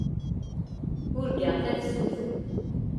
Urgaɣ tafsut.